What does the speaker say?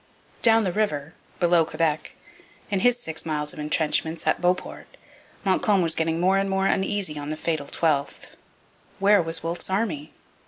Down the river, below Quebec, in his six miles of entrenchments at Beauport, Montcalm was getting more and more uneasy on the fatal 12th. Where was Wolfe's army?